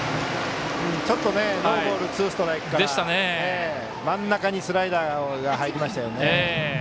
ちょっとノーボールツーストライクから真ん中にスライダーが入りました。